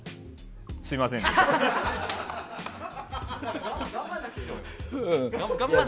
すみませんでした。